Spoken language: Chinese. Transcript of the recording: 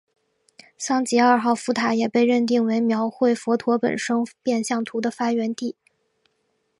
桑吉二号佛塔也被认定为描绘佛陀本生变相图的发源地。